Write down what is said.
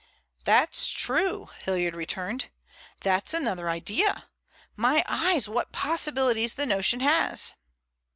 "That's true," Hilliard returned. "That's another idea. My eyes, what possibilities the notion has!"